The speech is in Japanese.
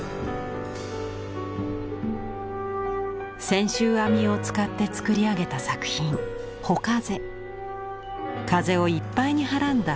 「千集編み」を使って作り上げた作品風をいっぱいにはらんだ